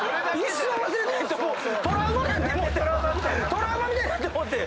トラウマみたいになってもうて。